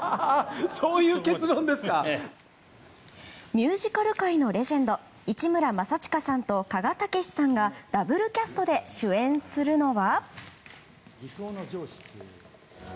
ミュージカル界のレジェンド市村正親さんと鹿賀丈史さんがダブルキャストで主演するのは。